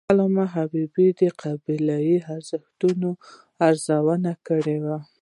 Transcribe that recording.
علامه حبیبي د قبایلي جوړښتونو ارزونه کړې ده.